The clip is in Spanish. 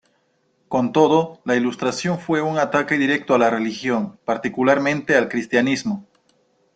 Con todo, la Ilustración fue un ataque directo a la religión, particularmente al cristianismo.